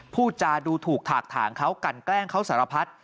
พูดจาดูถูกถากถางเขากันแกล้งเขาสารพัด